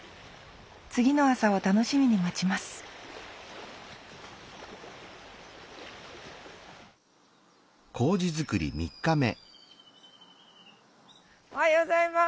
次の朝を楽しみに待ちますおはようございます。